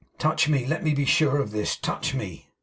'Touch me! Let me be sure of this. Touch me!